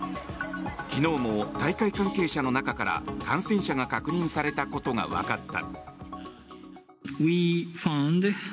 昨日も大会関係者の中から感染者が確認されたことがわかった。